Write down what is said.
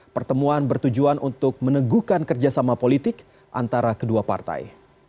pertemuan bertujuan untuk meneguhkan kerjasama politik antara kedua partai